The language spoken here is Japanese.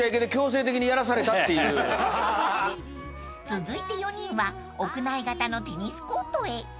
［続いて４人は屋内型のテニスコートへ］